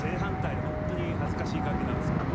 でほんとに恥ずかしい限りなんですけど。